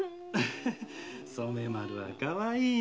染丸はかわいいね。